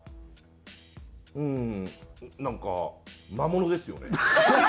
うーんなんか魔物ですよね。